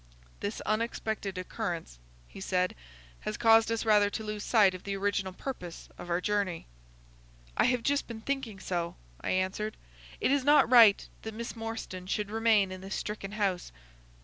"This unexpected occurrence," he said, "has caused us rather to lose sight of the original purpose of our journey." "I have just been thinking so," I answered. "It is not right that Miss Morstan should remain in this stricken house."